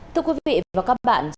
thưa quý vị và các bạn